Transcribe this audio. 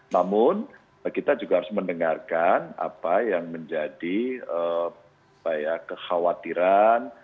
namun kita juga harus mendengarkan apa yang menjadi kekhawatiran